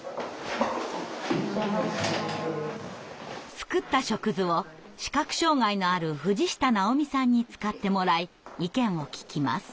作った触図を視覚障害のある藤下直美さんに使ってもらい意見を聞きます。